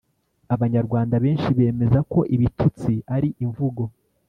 abanyarwanda benshi bemeza ko ibitutsi ari imvugo